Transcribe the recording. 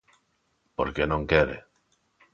Porque non quere.